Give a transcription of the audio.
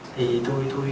thì tôi chỉ thấy là